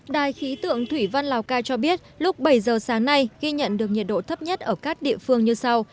đài khí tượng thủy văn lào cai cho biết lúc bảy giờ sáng nay ghi nhận được nhiệt độ thấp nhất ở các địa phương như sau